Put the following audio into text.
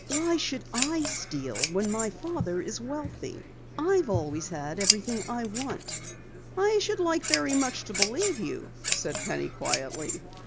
Why should I steal when my father is wealthy? I've always had everything I want." "I should like very much to believe you," said Penny quietly.